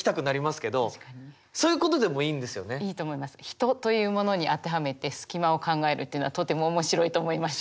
ヒトというものに当てはめてスキマを考えるっていうのはとても面白いと思いました。